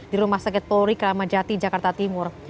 di rumah sakit polri kerama jati jakarta timur